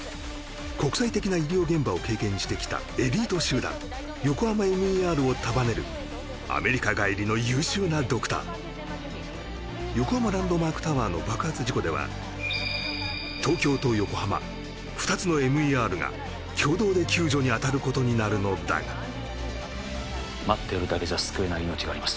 国際的な医療現場を経験してきたエリート集団ＹＯＫＯＨＡＭＡＭＥＲを束ねるアメリカ帰りの優秀なドクター横浜ランドマークタワーの爆発事故ではＴＯＫＹＯとＹＯＫＯＨＡＭＡ２つのＭＥＲが共同で救助に当たることになるのだが待ってるだけじゃ救えない命があります